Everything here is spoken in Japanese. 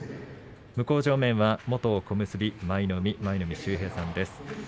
向正面は元小結舞の海舞の海秀平さんです。